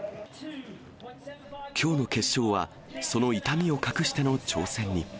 きょうの決勝は、その痛みを隠しての挑戦に。